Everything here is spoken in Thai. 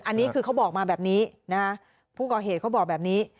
อันนี้คือเขาบอกมาแบบนี้นะฮะผู้ก่อเหตุเขาบอกแบบนี้